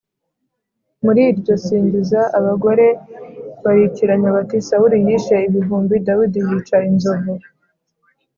Muri iryo singiza abagore barikiranya bati “Sawuli yishe ibihumbi, Dawidi yica inzovu.”